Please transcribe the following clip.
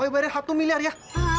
berlian satu miliar ya